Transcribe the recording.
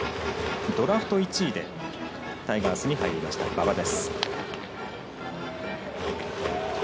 ドラフト１位でタイガースに入りました馬場です。